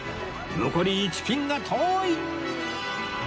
残り１ピンが遠い！